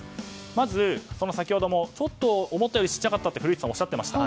まず、先ほども思ったより小さかったと古市さん、おっしゃっていました。